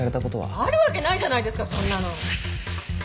あるわけないじゃないですかそんなの！